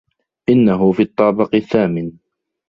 إنه في الطابق الثامن.